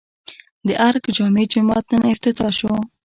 د ارګ جامع جومات نن افتتاح شو